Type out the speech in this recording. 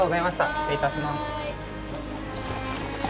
失礼いたします。